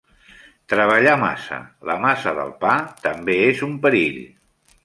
Treballar massa la massa del pa també és un perill.